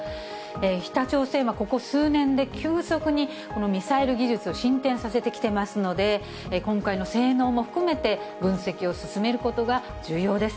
北朝鮮はここ数年で急速にこのミサイル技術を進展させてきてますので、今回の性能も含めて、分析を進めることが重要です。